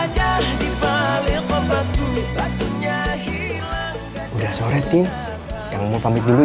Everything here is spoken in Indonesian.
sudah sore tim kamu mau pamit dulu ya